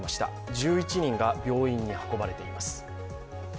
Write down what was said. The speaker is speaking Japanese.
１１人が病院に運ばれています。